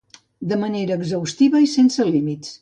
De manera exhaustiva i sense límits.